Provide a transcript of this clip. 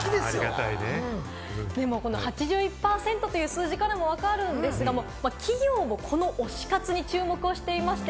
８１％という数字からも分かるんですが、企業もこの推し活に注目していまして、